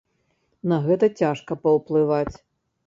На гэта цяжка паўплываць.